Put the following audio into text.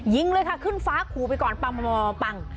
ยิงเลยค่ะขึ้นฟ้าขู่ไปก่อนปังโมปัง